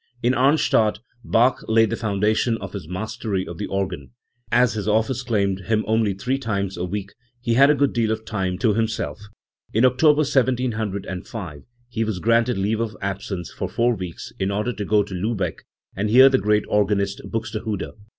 In Arnstadt Bach laid the foundation of his mastery of the organ. As his office claimed him only three trnes a week, he had a good deal of time to himself. In October 1705 he was granted leave of absence for four weeks, in order to go to Lubecfc and hear the great organist Buxte hude.